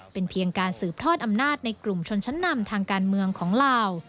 เป็นเพียงการสืบทอดอำนาจในกลุ่มชนชั้นนำทางการเมืองของลาว